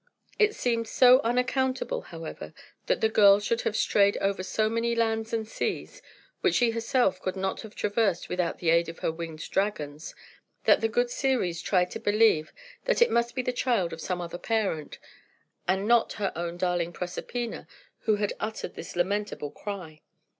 It seemed so unaccountable, however, that the girl should have strayed over so many lands and seas (which she herself could not have traversed without the aid of her winged dragons), that the good Ceres tried to believe that it must be the child of some other parent, and not her own darling Proserpina who had uttered this lamentable cry.